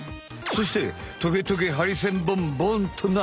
そしてトゲトゲハリセンボンボンとな。